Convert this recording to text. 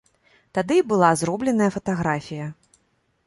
Тады і была зробленая фатаграфія.